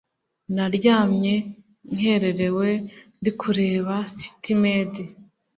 Naryamye nkererewe ndikureba city maid